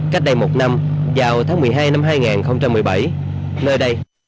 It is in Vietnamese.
cách đây một năm vào tháng một mươi hai năm hai nghìn một mươi bảy nơi đây